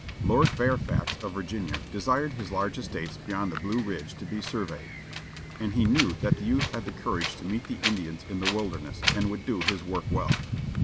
Lord Fairfax of Virginia desired his large estates beyond the Blue Ridge to be surveyed, and he knew that the youth had the courage to meet the Indians in the wilderness, and would do his work well.